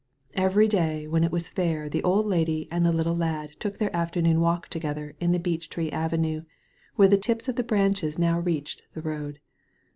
Every day when it was fair the old lady and the Uttle lad took their afternoon walk together in the beech tree avenue, where the tips of the branches now reached the road.